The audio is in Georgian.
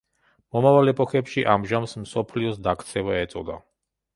მომავალ ეპოქებში ამ ჟამს „მსოფლიოს დაქცევა“ ეწოდა.